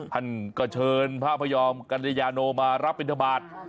ท่านก็เชิญพระพยอมกัญญาโนมารับบินทบาท